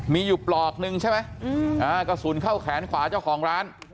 มีอยู่ปลอกนึงใช่ไหมกระสุนเข้าแขนขวาเจ้าของร้าน